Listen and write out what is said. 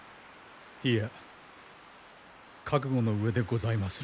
いや覚悟の上でございますれば。